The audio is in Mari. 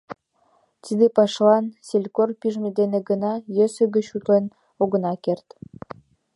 Тиде пашалан селькор пижме дене гына йӧсӧ гыч утлен огына керт.